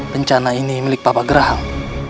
bencana ini milik papa gerahang